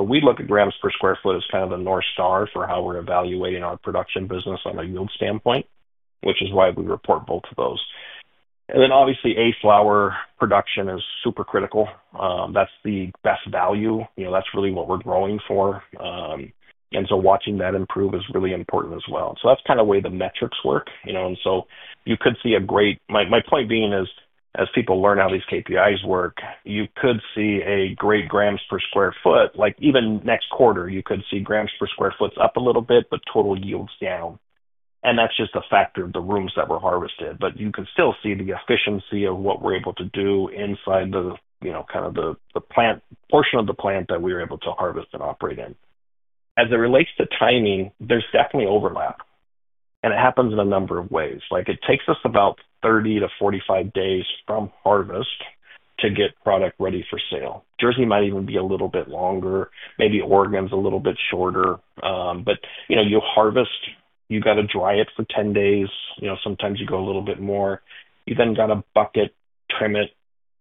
We look at grams per square foot as kind of the North Star for how we're evaluating our production business on a yield standpoint, which is why we report both of those. Obviously, A flower production is super critical. That's the best value. That's really what we're growing for. Watching that improve is really important as well. That's kind of the way the metrics work. You could see a great—my point being is, as people learn how these KPIs work, you could see a great grams per square foot. Even next quarter, you could see grams per square foot's up a little bit, but total yield's down. That's just a factor of the rooms that were harvested. You can still see the efficiency of what we're able to do inside kind of the portion of the plant that we were able to harvest and operate in. As it relates to timing, there's definitely overlap. It happens in a number of ways. It takes us about 30 days-45 days from harvest to get product ready for sale. Jersey might even be a little bit longer. Maybe Oregon's a little bit shorter. You harvest, you got to dry it for 10 days. Sometimes you go a little bit more. You then got to bucket, trim it,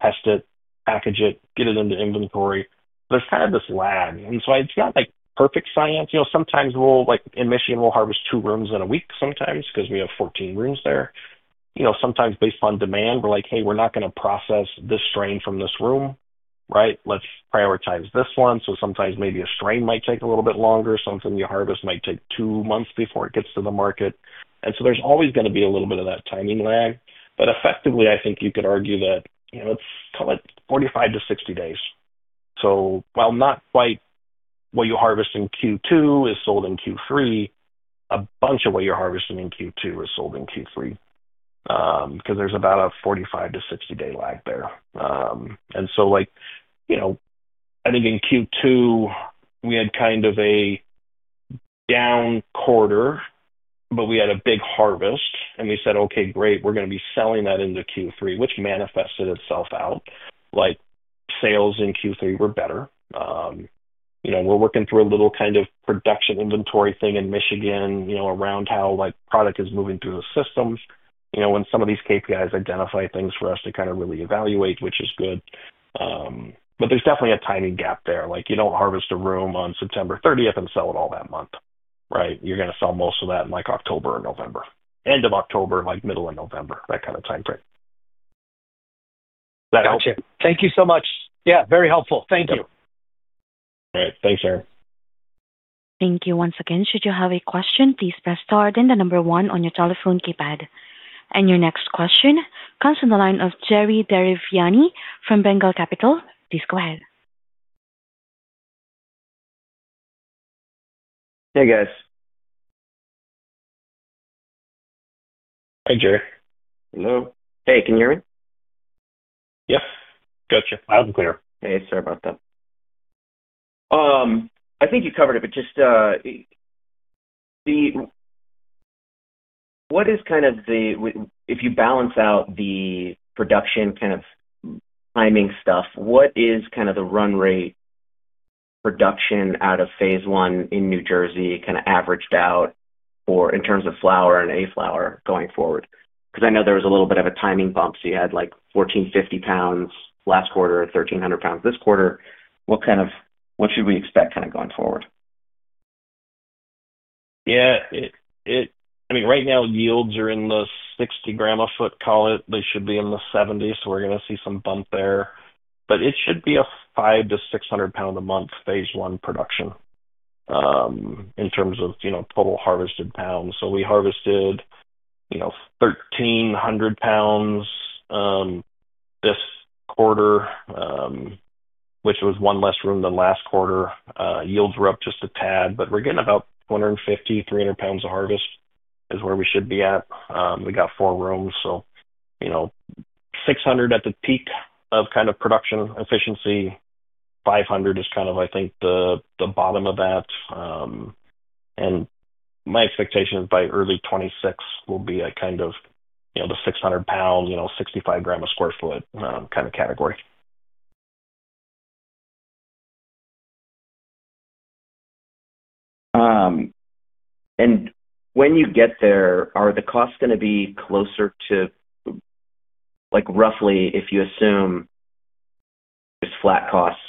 test it, package it, get it into inventory. There's kind of this lag. It's not perfect science. Sometimes in Michigan, we'll harvest two rooms in a week because we have 14 rooms there. Sometimes, based on demand, we're like, "Hey, we're not going to process this strain from this room, right? Let's prioritize this one." Sometimes maybe a strain might take a little bit longer. Something you harvest might take two months before it gets to the market. There's always going to be a little bit of that timing lag. Effectively, I think you could argue that it's 45 days -60 days. While not quite what you harvest in Q2 is sold in Q3, a bunch of what you're harvesting in Q2 is sold in Q3 because there's about a 45 days-60 day lag there. I think in Q2, we had kind of a down quarter, but we had a big harvest. We said, "Okay, great. We're going to be selling that into Q3," which manifested itself out. Sales in Q3 were better. We're working through a little kind of production inventory thing in Michigan around how product is moving through the systems. Some of these KPIs identify things for us to kind of really evaluate, which is good. There's definitely a timing gap there. You don't harvest a room on September 30 and sell it all that month, right? You're going to sell most of that in October or November, end of October, middle of November, that kind of time frame. Does that help? Gotcha. Thank you so much. Yeah, very helpful. Thank you. All right. Thanks, Aaron. Thank you once again. Should you have a question, please press star then the number one on your telephone keypad. Your next question comes from the line of Jerry Derevyanny from Bengal Capital. Please go ahead. Hey, guys. Hi, Jerry. Hello. Hey, can you hear me? Yep. Gotcha. Loud and clear. Hey, sorry about that. I think you covered it, but just what is kind of the—if you balance out the production kind of timing stuff, what is kind of the run rate production out of phase one in New Jersey kind of averaged out in terms of flower and A flower going forward? Because I know there was a little bit of a timing bump. You had 1,450 lbs last quarter, 1,300 lbs this quarter. What should we expect kind of going forward? Yeah. I mean, right now, yields are in the 60 gram a sq ft, call it. They should be in the 70s. We're going to see some bump there. It should be a 500 lbs-600 lbs a month phase one production in terms of total harvested lbs. We harvested 1,300 lbs this quarter, which was one less room than last quarter. Yields were up just a tad, but we're getting about 250 lbs-300 lbs of harvest is where we should be at. We got four rooms. 600lbs at the peak of kind of production efficiency. 500 lbs is kind of, I think, the bottom of that. My expectation is by early 2026, we'll be at kind of the 600 lbs, 65-gram-a-sq ft kind of category. When you get there, are the costs going to be closer to roughly, if you assume just flat costs,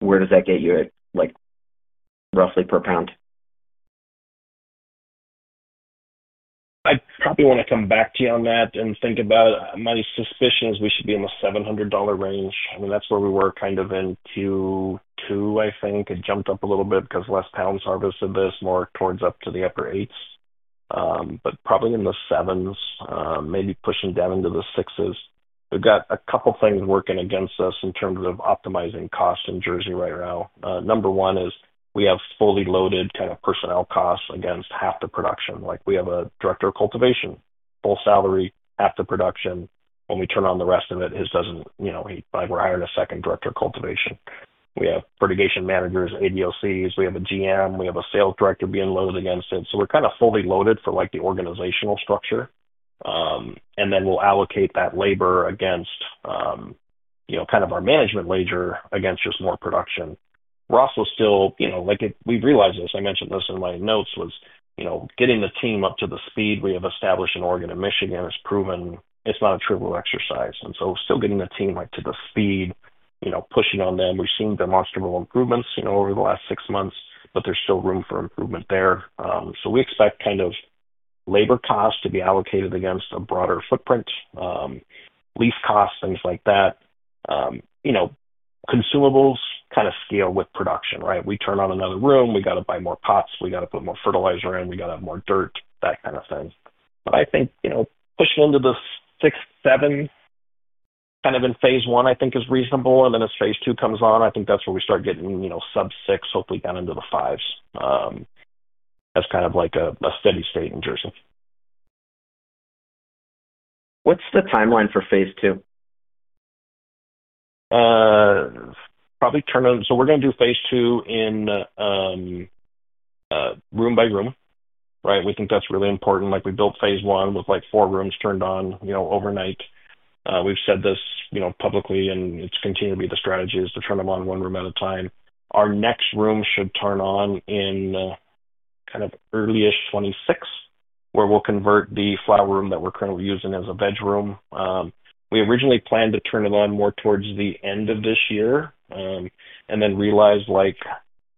where does that get you at roughly per pound? I probably want to come back to you on that and think about it. My suspicion is we should be in the $700 range. I mean, that's where we were kind of in Q2, I think. It jumped up a little bit because less pounds harvested this, more towards up to the upper eighths, but probably in the sevens, maybe pushing down into the sixes. We've got a couple of things working against us in terms of optimizing cost in Jersey right now. Number one is we have fully loaded kind of personnel costs against half the production. We have a Director of Cultivation, full salary, half the production. When we turn on the rest of it, it doesn't—we're hiring a second Director of Cultivation. We have Fertilization Managers, ADOCs. We have a GM. We have a Sales Director being loaded against it. We're kind of fully loaded for the organizational structure. Then we'll allocate that labor against kind of our management ledger against just more production. We're also still—we realize this. I mentioned this in my notes—was getting the team up to the speed we have established in Oregon and Michigan has proven it's not a trivial exercise. Still getting the team to the speed, pushing on them. We've seen demonstrable improvements over the last six months, but there's still room for improvement there. We expect kind of labor costs to be allocated against a broader footprint, lease costs, things like that. Consumables kind of scale with production, right? We turn on another room. We got to buy more pots. We got to put more fertilizer in. We got to have more dirt, that kind of thing. I think pushing into the six, seven kind of in phase I, I think, is reasonable. As phase II comes on, I think that's where we start getting sub-six, hopefully down into the fives as kind of a steady state in Jersey. What's the timeline for phase II? We're going to do phase II in room by room, right? We think that's really important. We built phase I with four rooms turned on overnight. We've said this publicly, and it's continued to be the strategy is to turn them on one room at a time. Our next room should turn on in kind of early-ish 2026, where we'll convert the flower room that we're currently using as a veg room. We originally planned to turn it on more towards the end of this year and then realized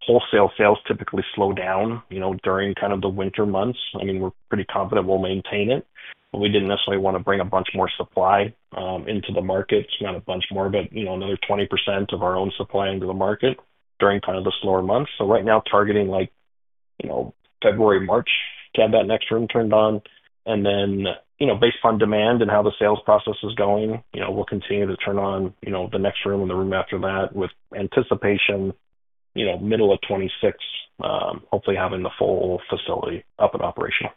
wholesale sales typically slow down during kind of the winter months. I mean, we're pretty confident we'll maintain it, but we didn't necessarily want to bring a bunch more supply into the market. It's not a bunch more, but another 20% of our own supply into the market during kind of the slower months. Right now, targeting February, March to have that next room turned on. Based on demand and how the sales process is going, we'll continue to turn on the next room and the room after that with anticipation middle of 2026, hopefully having the full facility up and operational.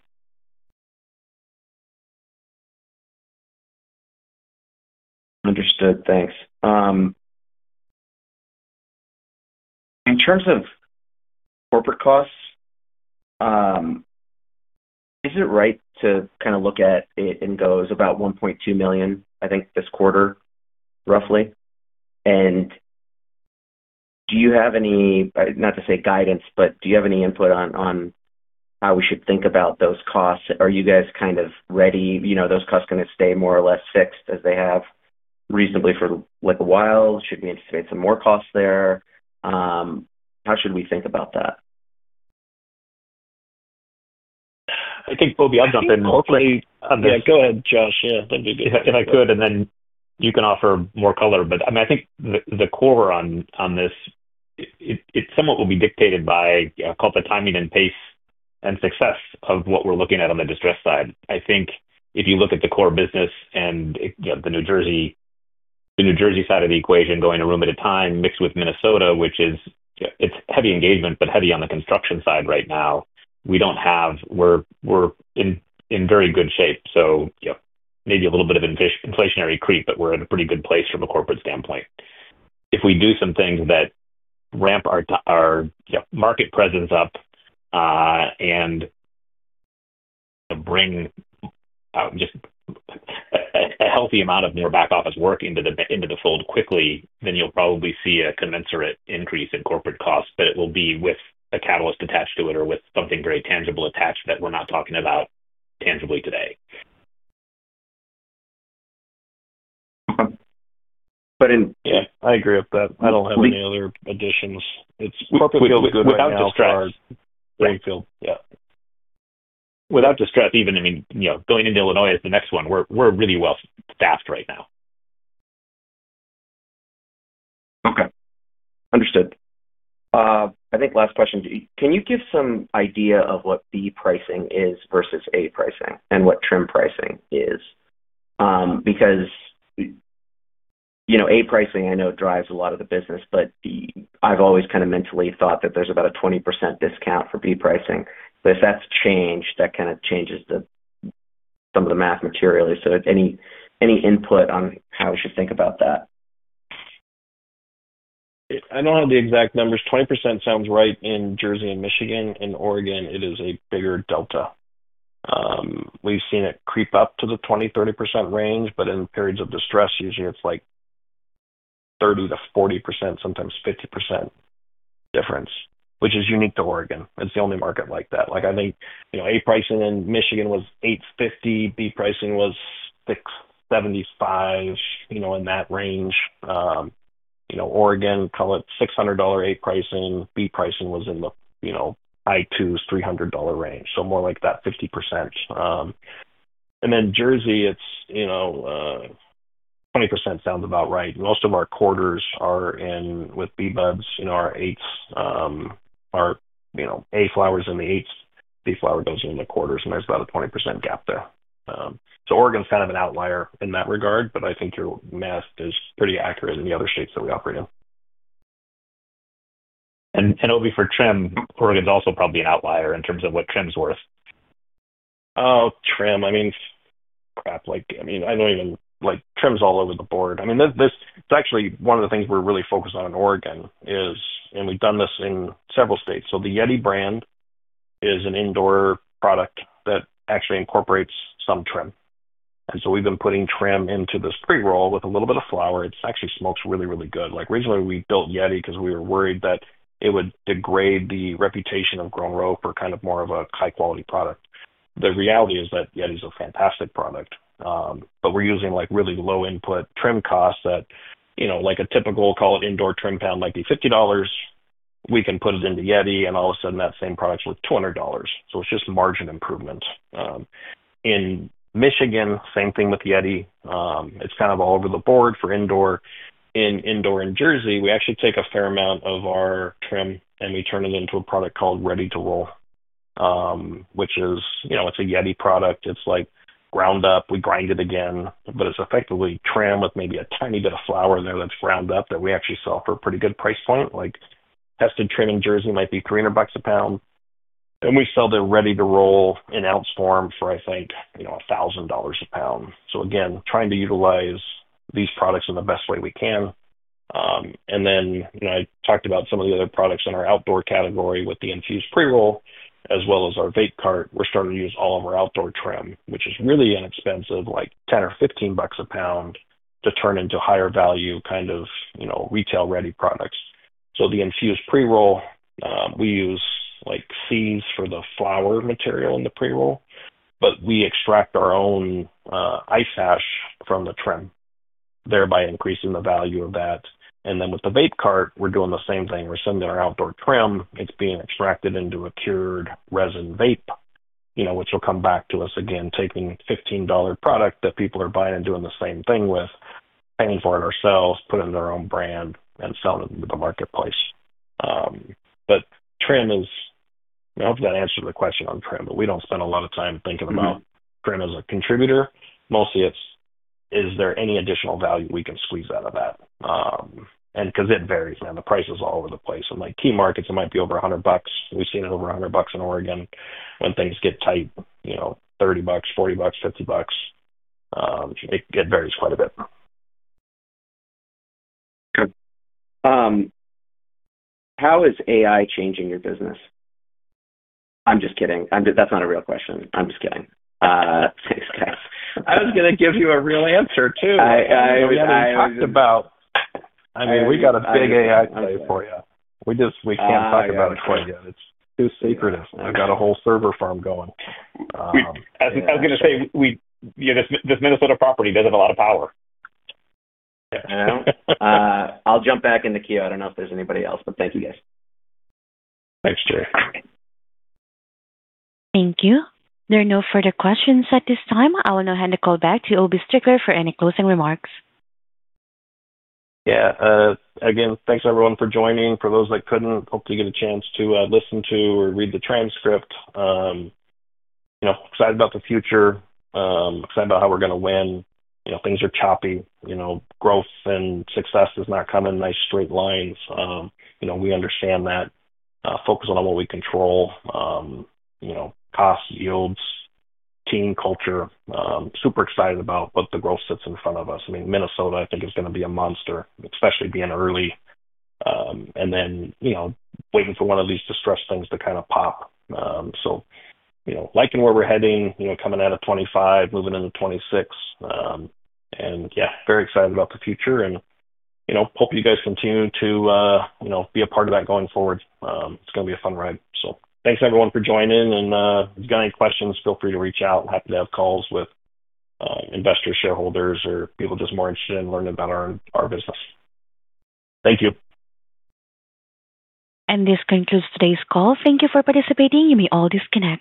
Understood. Thanks. In terms of corporate costs, is it right to kind of look at it and go is about $1.2 million, I think, this quarter, roughly? And do you have any—not to say guidance, but do you have any input on how we should think about those costs? Are you guys kind of ready? Are those costs going to stay more or less fixed as they have reasonably for a while? Should we anticipate some more costs there? How should we think about that? I think, Obie, I'll jump in. Yeah. Go ahead, Josh. Yeah. That'd be good. If I could, and then you can offer more color. But I mean, I think the core on this, it somewhat will be dictated by, I call it the timing and pace and success of what we're looking at on the distress side. I think if you look at the core business and the New Jersey side of the equation, going a room at a time mixed with Minnesota, which is heavy engagement, but heavy on the construction side right now, we do not have—we are in very good shape. So maybe a little bit of inflationary creep, but we are in a pretty good place from a corporate standpoint. If we do some things that ramp our market presence up and bring just a healthy amount of more back office work into the fold quickly, then you will probably see a commensurate increase in corporate costs, but it will be with a catalyst attached to it or with something very tangible attached that we are not talking about tangibly today. Without distress. Yeah. Without distress, even going into Illinois is the next one. We're really well staffed right now. Okay. Understood. I think last question. Can you give some idea of what B pricing is versus A pricing and what trim pricing is? Because A pricing, I know, drives a lot of the business, but I've always kind of mentally thought that there's about a 20% discount for B pricing. If that's changed, that kind of changes some of the math materially. Any input on how we should think about that? I don't have the exact numbers. 20% sounds right in Jersey and Michigan. In Oregon, it is a bigger delta. We've seen it creep up to the 20%-30% range, but in periods of distress, usually it's like 30%-40%, sometimes 50% difference, which is unique to Oregon. It's the only market like that. I think A pricing in Michigan was $850. B pricing was $675 in that range. Oregon, call it $600 A pricing. B pricing was in the high $200s, $300 range. More like that 50%. Jersey, it's 20% sounds about right. Most of our quarters are in with B buds in our eighths. A flower's in the eighth. B flower goes into the quarters, and there's about a 20% gap there. Oregon's kind of an outlier in that regard, but I think your math is pretty accurate in the other states that we operate in. OB for trim, Oregon's also probably an outlier in terms of what trim's worth. Oh, trim. I mean, crap. I mean, I know even trim's all over the board. I mean, it's actually one of the things we're really focused on in Oregon, and we've done this in several states. The Yeti brand is an indoor product that actually incorporates some trim. We have been putting trim into this pre-roll with a little bit of flower. It actually smokes really, really good. Originally, we built Yeti because we were worried that it would degrade the reputation of Grown Rogue for kind of more of a high-quality product. The reality is that Yeti is a fantastic product, but we are using really low-input trim costs that a typical, call it indoor trim pound, might be $50. We can put it into Yeti, and all of a sudden, that same product is worth $200. It is just margin improvement. In Michigan, same thing with Yeti. It is kind of all over the board for indoor. In indoor in Jersey, we actually take a fair amount of our trim, and we turn it into a product called Ready to Roll, which is a Yeti product. It's ground up. We grind it again, but it's effectively trim with maybe a tiny bit of flower in there that's ground up that we actually sell for a pretty good price point. Tested trim in Jersey might be $300 a pound. We sell the Ready to Roll in ounce form for, I think, $1,000 a pound. Again, trying to utilize these products in the best way we can. I talked about some of the other products in our outdoor category with the infused pre-roll as well as our vape cart. We're starting to use all of our outdoor trim, which is really inexpensive, like $10 or $15 a pound, to turn into higher-value kind of retail-ready products. The infused pre-roll, we use seeds for the flower material in the pre-roll, but we extract our own ice hash from the trim, thereby increasing the value of that. With the vape cart, we're doing the same thing. We're sending our outdoor trim. It's being extracted into a cured resin vape, which will come back to us again, taking $15 product that people are buying and doing the same thing with, paying for it ourselves, putting their own brand, and selling it into the marketplace. Trim is—I hope that answers the question on trim, but we don't spend a lot of time thinking about trim as a contributor. Mostly, it's is there any additional value we can squeeze out of that? It varies. I mean, the price is all over the place. In key markets, it might be over $100. We've seen it over $100 in Oregon. When things get tight, $30, $40, $50, it varies quite a bit. Okay. How is AI changing your business? I'm just kidding. That's not a real question. I'm just kidding. Thanks, guys. I was going to give you a real answer too. I always have to talk about—I mean, we got a big AI play for you. We can't talk about it quite yet. It's too sacred. I've got a whole server farm going.I was going to say this Minnesota property does have a lot of power. Yeah. I'll jump back in the queue. I don't know if there's anybody else, but thank you, guys. Thanks, Jerry. Thank you. There are no further questions at this time. I will now hand the call back to Obie Strickler for any closing remarks. Yeah. Again, thanks everyone for joining. For those that could not, hope to get a chance to listen to or read the transcript. Excited about the future. Excited about how we are going to win. Things are choppy. Growth and success is not coming in nice straight lines. We understand that. Focus on what we control. Costs, yields, team culture. Super excited about what the growth sits in front of us. I mean, Minnesota, I think, is going to be a monster, especially being early. Then waiting for one of these distress things to kind of pop. Liking where we are heading, coming out of 2025, moving into 2026. Very excited about the future and hope you guys continue to be a part of that going forward. It is going to be a fun ride. Thanks everyone for joining. If you have any questions, feel free to reach out. Happy to have calls with investors, shareholders, or people just more interested in learning about our business. Thank you. This concludes today's call. Thank you for participating. You may all disconnect.